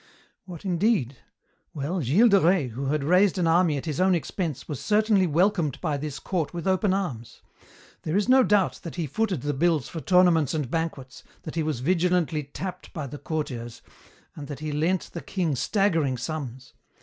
"What indeed? Well, Gilles de Rais, who had raised an army at his own expense, was certainly welcomed by this court with open arms. There is no doubt that he footed the bills for tournaments and banquets, that he was vigilantly 'tapped' by the courtiers, and that he lent the king staggering sums.